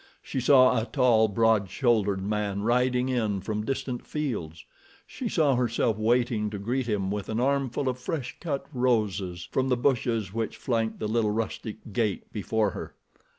She saw a tall, broad shouldered man riding in from distant fields; she saw herself waiting to greet him with an armful of fresh cut roses from the bushes which flanked the little rustic gate before her.